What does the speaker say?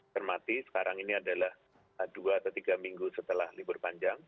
termati sekarang ini adalah dua atau tiga minggu setelah libur panjang